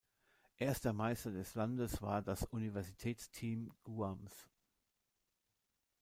Erster Meister des Landes war das Universitätsteam Guams.